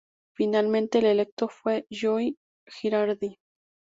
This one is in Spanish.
Finalmente el electo fue Joe Girardi.